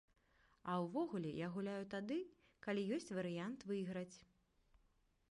А ўвогуле я гуляю тады, калі ёсць варыянт выйграць.